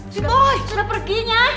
si boy sudah pergi ya